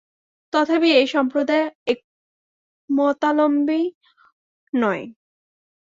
তথাপি এই-সকল সম্প্রদায় একমতাবলম্বী নয়।